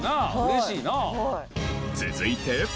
続いて。